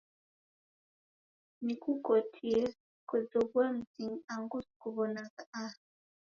Nikukotie kozoghua mzinyi angu sikuwonagha aha